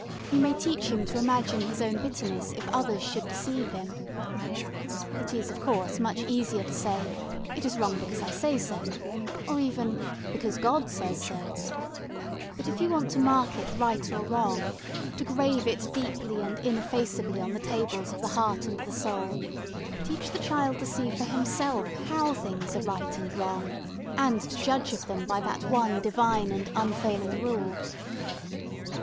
you may teach him to imagine his own bitterness if others should deceive him. It is, of course, much easier to say, "It is wrong because I say so," or even "because God says so"; but if you want to mark it right or wrong, to grave it deeply and ineffaceably on the tables of the heart and the soul, teach the child to see for himself how things are right and wrong and to judge of them by that one Divine and unfailing rule.